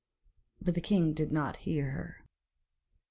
But the king did not hear her.